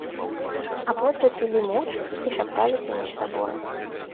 Абодва пілі моўчкі і шапталіся між сабою.